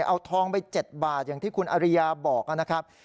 เอาทองไป๗บาทอย่างที่คุณอริยาบอกนะครับ